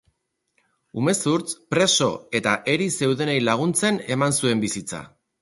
Umezurtz, preso eta eri zeudenei laguntzen eman zuen bizitza.